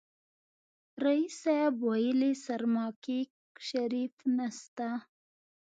ريس صيب ويلې سرماکيک شريف نسته.